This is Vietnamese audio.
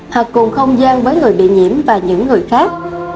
hoặc cùng không gian với người bị nhiễm và những người khác